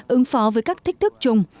ứng phó với các thích thức chung